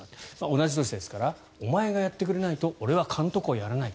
同い年ですからお前がやってくれないと俺は監督をやらない。